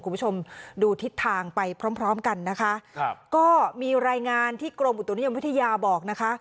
คุณผู้ชมดูทิศทางไปพร้อมพร้อมกันนะคะครับก็มีรายงานที่กรมอุตุนิยมวิทยาบอกนะคะ